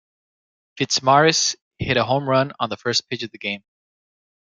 Fitzmaurice hit a home run on the first pitch of the game.